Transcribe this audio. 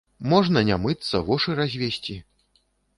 Можна не мыцца, вошы развесці.